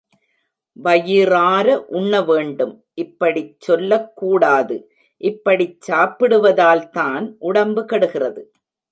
வயிறார உண்ணவேண்டும். இப்படிச் சொல்லக் கூடாது இப்படிச் சாப்பிடுவதால்தான் உடம்பு கெடுகிறது.